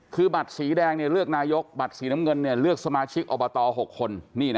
คือบัตรสีแดงเลือกนายกบัตรสีน้ำเงินเลือกสมาชิกอบต๖คน